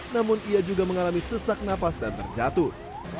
namun ia juga mengalami sesak nafas dan terjatuh